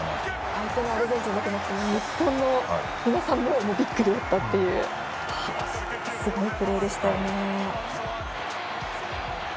相手のアルゼンチンも日本の皆さんもびっくりだったというすごいプレーでしたよね。